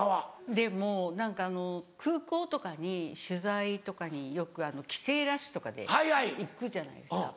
でも何か空港とかに取材とかによく帰省ラッシュとかで行くじゃないですか。